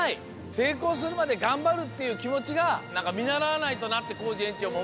せいこうするまでがんばるっていうきもちがなんかみならわないとなってコージえんちょうもおもいました。